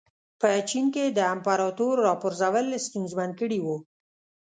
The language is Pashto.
په چین کې د امپراتور راپرځول ستونزمن کړي وو.